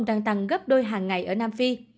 đang tăng gấp đôi hàng ngày ở nam phi